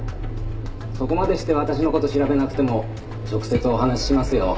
そこまでして私のこと調べなくても直接お話ししますよ